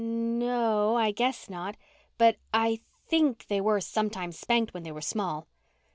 "No o o, I guess not. But I think they were sometimes spanked when they were small."